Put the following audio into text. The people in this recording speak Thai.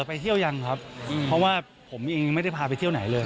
ไปเที่ยวยังครับเพราะว่าผมเองไม่ได้พาไปเที่ยวไหนเลย